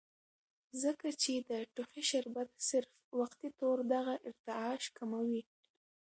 ځکه چې د ټوخي شربت صرف وقتي طور دغه ارتعاش کموي